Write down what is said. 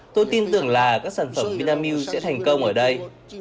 tôi tin tưởng là các sản phẩm vinamil sẽ thành công ở đây